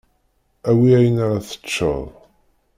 Awi ayen ara teččeḍ.